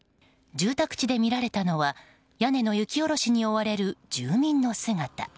住宅地で見られたのは屋根の雪下ろしに追われる住民の姿。